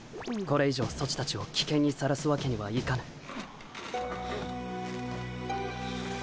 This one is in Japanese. これ以上ソチたちをきけんにさらすわけにはいかぬ。